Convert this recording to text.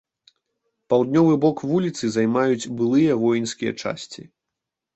Паўднёвы бок вуліцы займаюць былыя воінскія часці.